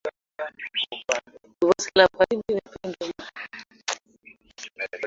Vazi la Waridi linapendeza mno.